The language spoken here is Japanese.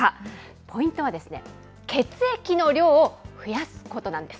ポイントは血液の量を増やすことなんです。